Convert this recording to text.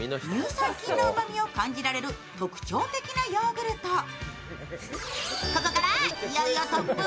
乳酸菌のうまみを感じられる特徴的なヨーグルト。